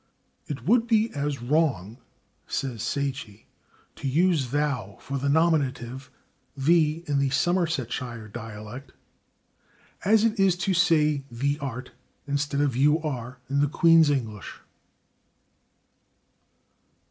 "It would be as wrong," says Sayce, "to use /thou/ for the nominative /thee/ in the Somersetshire dialect as it is to say /thee art/ instead of /you are/ in the Queen's English."